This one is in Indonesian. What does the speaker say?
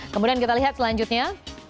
kemudian kita lihat selanjutnya